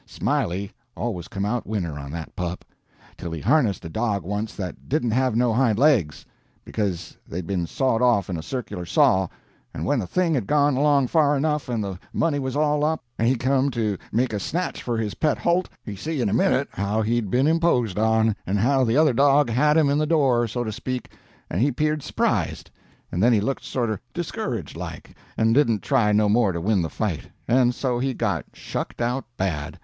Smiley always come out winner on that pup, till he harnessed a dog once that didn't have no hind legs, because they'd been sawed off in a circular saw, and when the thing had gone along far enough, and the money was all up, and he come to make a snatch for his pet holt, he see in a minute how he'd been imposed on, and how the other dog had him in the door, so to speak, and he 'peared surprised, and then he looked sorter discouraged like and didn't try no more to win the fight, and so he got shucked out bad.